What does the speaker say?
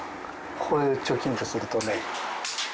これでチョキンとするとね。